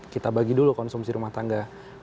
kita bagi dulu konsumsi rumah tangga